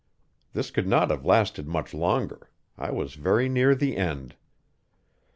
This could not have lasted much longer; I was very near the end.